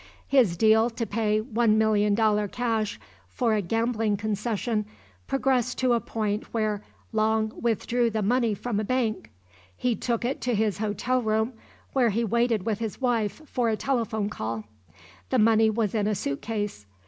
His deal to pay $1,000,000 cash for a gambling concession progressed to a point where Long withdrew the money from a bank. He took it to his hotel room where he waited with his wife for a telephone call. The money was in a suitcase.